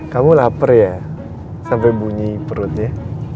kamu lapar ya sampai bunyi perutnya